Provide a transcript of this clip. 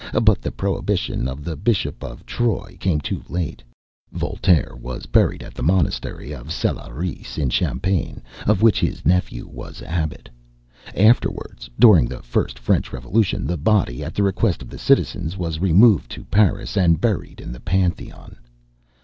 But the prohibition of the Bishop of Troyes came too late. Voltaire was buried at the monastery of Scellieres, in Champagne, of which his nephew was abbot. Afterwards, during the first French Revolution, the body, at the request of the citizens, was removed to Paris, and buried in the Pantheon.